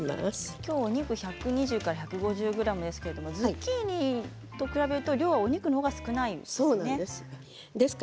きょうお肉は１２０から１５０ｇですけれどもズッキーニと比べるとお肉のほうが量は少ないですね。